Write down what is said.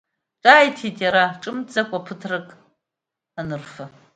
Ҿааиҭит иара, ҿымҭӡакәа ԥыҭрак анырфа.